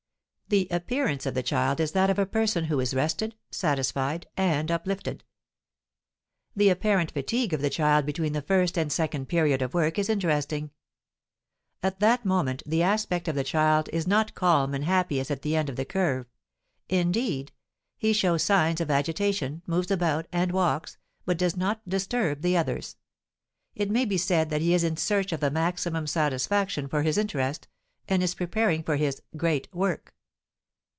The appearance of the child is that of a person who is rested, satisfied, and uplifted. The apparent fatigue of the child between the first and second period of work is interesting; at that moment the aspect of the child is not calm and happy as at the end of the curve; indeed, he shows signs of agitation, moves about, and walks, but does not disturb the others. It may be said that he is in search of the maximum satisfaction for his interest, and is preparing for his "great work."